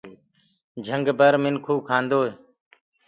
جھنگ بر منکو کاندوئي